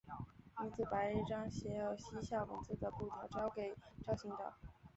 女子把一张写有西夏文字的布条交给赵行德。